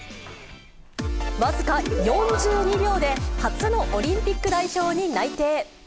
僅か４２秒で初のオリンピック代表に内定。